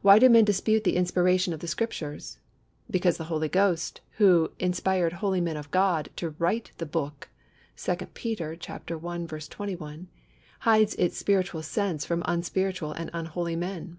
Why do men dispute the inspiration of the Scriptures? Because the Holy Ghost, who inspired "holy men of God" to write the Book (2 Peter i. 21), hides its spiritual sense from unspiritual and unholy men.